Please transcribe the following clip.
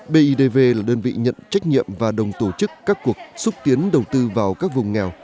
bidv là đơn vị nhận trách nhiệm và đồng tổ chức các cuộc xúc tiến đầu tư vào các vùng nghèo